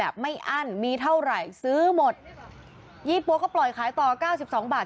ไม่อั้นมีเท่าไหร่ซื้อหมดยี่ปั๊วก็ปล่อยขายต่อเก้าสิบสองบาท